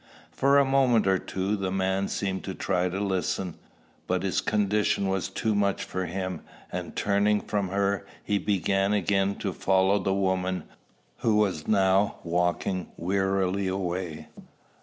For a moment or two the man seemed to try to listen, but his condition was too much for him; and, turning from her, he began again to follow the woman, who was now walking wearily away.